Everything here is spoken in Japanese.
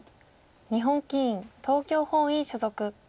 日本棋院東京本院所属。